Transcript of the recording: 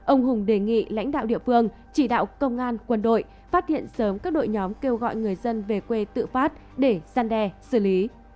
ông hùng đề nghị lãnh đạo địa phương chỉ đạo công an quân đội phát hiện sớm các đội nhóm kêu gọi người dân về quê tự phát để gian đe xử lý